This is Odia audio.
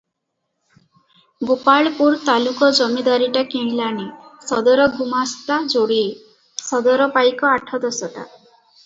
ଗୋପାଳପୁର ତାଲୁକ ଜମିଦାରୀଟା କିଣିଲାଣି, ସଦର ଗୁମାସ୍ତା ଯୋଡିଏ, ସଦର ପାଇକ ଆଠ ଦଶଟା ।